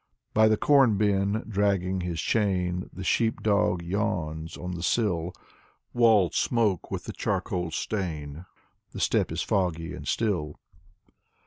By the corn bin, dragging his chain, The sheep dog yawns on the sill. Walls smoke with the charcoal stain. The steppe is foggy and still.